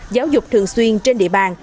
giáo dục thường xuyên trên địa bàn